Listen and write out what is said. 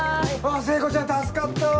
聖子ちゃん助かった！